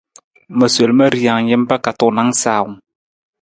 Ma sol ma rijang jampa ka tuunang sawung.